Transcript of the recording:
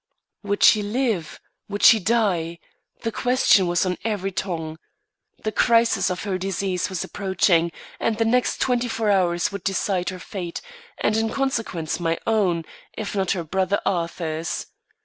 Would she live? Would she die? The question was on every tongue. The crisis of her disease was approaching, and the next twenty four hours would decide her fate, and in consequence, my own, if not her brother Arthur's.